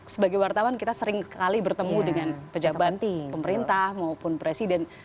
sebagai wartawan kita sering sekali bertemu dengan pejabat pemerintah maupun presiden